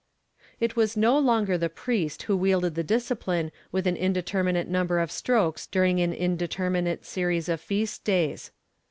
It was no longer the priest who wielded the discipline with an indeterminate number of strokes during an indeterminate series of feast days.